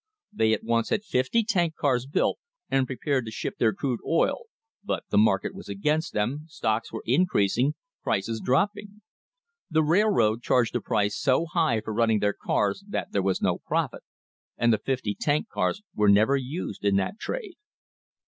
They at once had fifty tank cars built, and prepared to ship their crude oil, but the market was against them, stocks were increasing, prices dropping. The railroad charged a price so high for running their cars that there was no profit, and the fifty tank cars were never used in that trade.